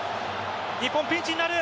日本、ピンチになる。